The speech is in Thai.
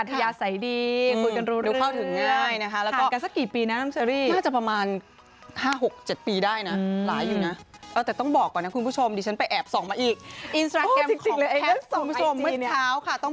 แต่พบปากน้องแพทย์อธิญาใส่ดีคุยกันรู้